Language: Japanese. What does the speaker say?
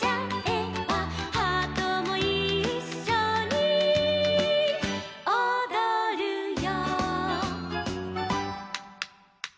「ハートもいっしょにおどるよ」